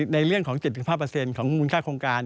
ในเรื่องของ๗๕ของมูลค่าโครงการ